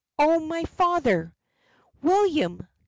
oh, my father!" William!